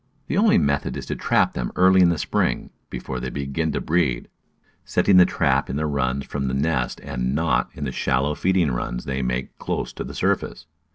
The only method is to trap them early in the spring, before they begin to breed; setting the trap in the runs from the nest and not in the shallow feeding runs they make close to the surface.